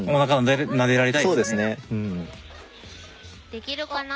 できるかな？